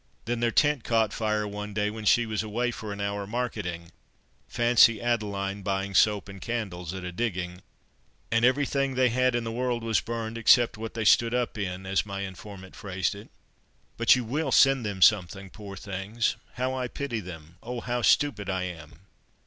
Then, their tent caught fire one day, when she was away for an hour marketing (fancy Adeline buying soap and candles at a digging!), and everything they had in the world was burned, except what 'they stood up in,' as my informant phrased it." "But you will send them something, poor things! How I pity them. Oh! how stupid I am!